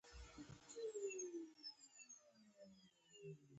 هر پیرودونکی ځانګړی ارزښت لري.